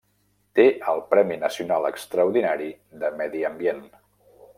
Té el Premi Nacional Extraordinari de Medi Ambient.